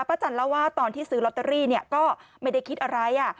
ป้าจันแล้วว่าตอนที่ซื้อลอตเตอรี่เนี่ยก็ไม่ได้คิดอะไรอ่ะ